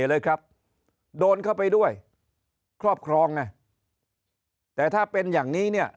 เลยครับโดนเข้าไปด้วยครอบครองไงแต่ถ้าเป็นอย่างนี้เนี่ย